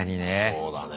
そうだね。